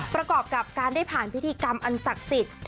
ประกอบกับการได้ผ่านพิธีกรรมอันศักดิ์สิทธิ์